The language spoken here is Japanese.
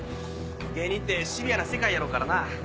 芸人ってシビアな世界やろからな。